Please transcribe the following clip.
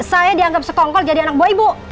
saya dianggap sekongkol jadi anak buah ibu